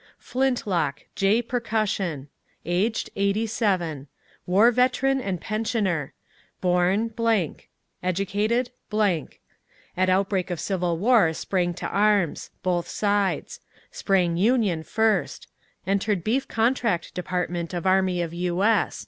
Flintlock, J. Percussion: aged 87; war veteran and pensioner; born, blank; educated, blank; at outbreak of Civil War sprang to arms; both sides; sprang Union first; entered beef contract department of army of U. S.